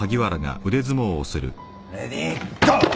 レディーゴー。